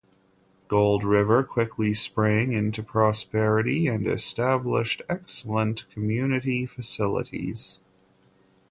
Gold River quickly sprang into prosperity and established excellent community facilities.